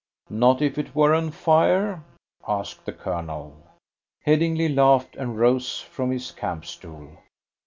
"Not if it were on fire?" asked the Colonel. Headingly laughed, and rose from his camp stool.